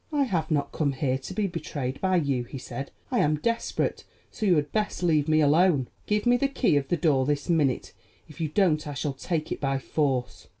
"I have not come here to be betrayed by you," he said. "I am desperate, so you had best leave me alone. Give me the key of the door this minute; if you don't I shall take it by force."